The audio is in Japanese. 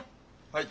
はい。